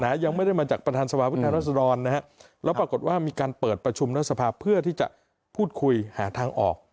ยังไม่ได้มาจากประธานสภาพุทธรัศดรนะฮะแล้วปรากฏว่ามีการเปิดประชุมรัฐสภาพเพื่อที่จะพูดคุยหาทางออก